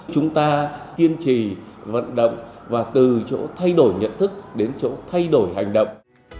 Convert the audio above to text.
chúng ta kiên trì vận động và từ chỗ thay đổi nhận thức đến chỗ thay đổi hành động